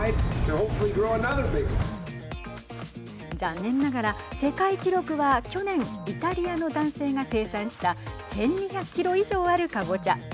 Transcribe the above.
残念ながら世界記録は去年イタリアの男性が生産した１２００キロ以上あるかぼちゃ。